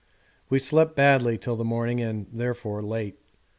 We slept badly till the morning and, therefore, late.